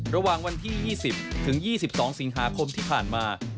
ระหว่างวันที่๒๐ถึง๒๒สิงหาคมที่ผ่านมา